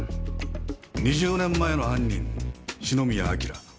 ２０年前の犯人篠宮彬。